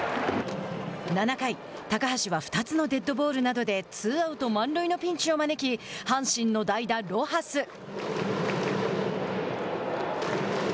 ７回、高橋は２つのデッドボールなどでツーアウト満塁のピンチを招き阪神の代打・ロハス。